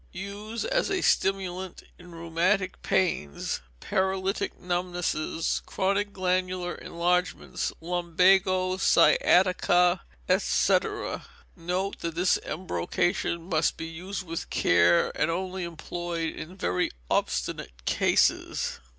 Use as a stimulant in rheumatic pains, paralytic numbnesses, chronic glandular enlargements, lumbago, sciatica, &c. Note that this embrocation must be used with care, and only employed in very obstinate cases.